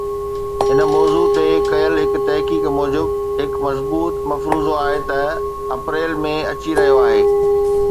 هن موضوع تي ڪيل هڪ تحقيق موجب، هڪ مضبوط مفروضو آهي ته اپريل ۾ اچي رهيو آهي